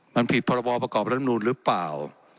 มันผิดพระบอบประกอบรำนูนหรือเปล่า